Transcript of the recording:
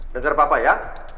besar papa ya